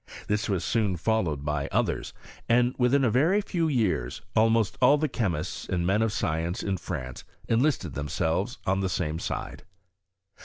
This was soon followed by others, and within a very few years almost all the chemists and men of science in France enlisted themselves on the same side.